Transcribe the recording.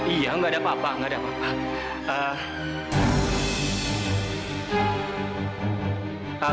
iya enggak ada apa apa enggak ada apa apa